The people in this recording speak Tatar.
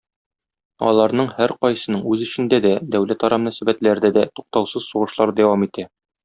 Аларның һәркайсының үз эчендә дә, дәүләтара мөнәсәбәтләрдә дә туктаусыз сугышлар дәвам итә.